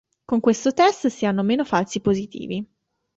Con questo test si hanno meno falsi positivi.